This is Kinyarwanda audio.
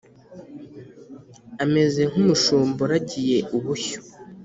Ameze nk’umushumba uragiye ubushyo,